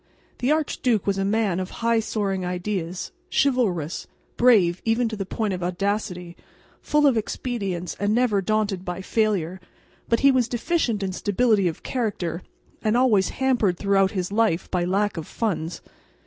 The archduke was a man of high soaring ideas, chivalrous, brave even to the point of audacity, full of expedients and never daunted by failure, but he was deficient in stability of character, and always hampered throughout his life by lack of funds.